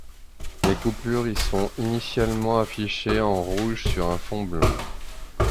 Les coupures y sont initialement affichées en rouge sur un fond blanc.